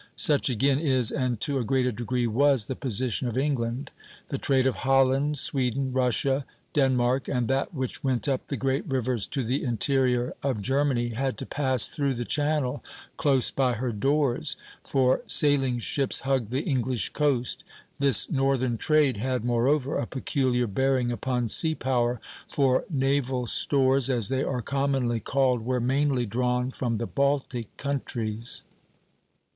Such again is, and to a greater degree was, the position of England. The trade of Holland, Sweden, Russia, Denmark, and that which went up the great rivers to the interior of Germany, had to pass through the Channel close by her doors; for sailing ships hugged the English coast. This northern trade had, moreover, a peculiar bearing upon sea power; for naval stores, as they are commonly called, were mainly drawn from the Baltic countries.